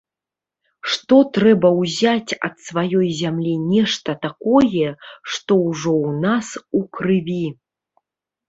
Што трэба ўзяць ад сваёй зямлі нешта такое, што ўжо ў нас у крыві.